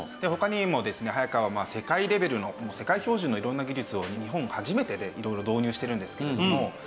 他にもですね早川は世界レベルの世界標準の色んな技術を日本初めてで色々導入してるんですけれども。